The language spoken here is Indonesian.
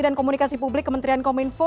dan komunikasi publik kementerian kominfo